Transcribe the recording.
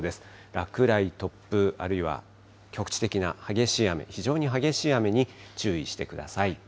落雷、突風、あるいは局地的な激しい雨、非常に激しい雨に注意してください。